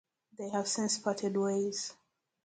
They have since parted ways.